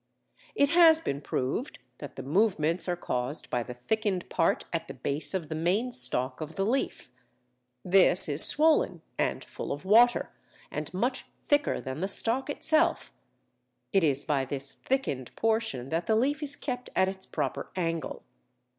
It has been proved that the movements are caused by the thickened part at the base of the main stalk of the leaf. This is swollen, and full of water, and much thicker than the stalk itself. It is by this thickened portion that the leaf is kept at its proper angle.